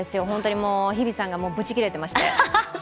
日比さんがぶち切れてまして。